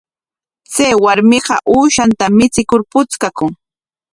Chay warmiqa uushanta michikur puchkakun.